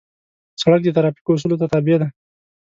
سړک د ترافیکو اصولو ته تابع دی.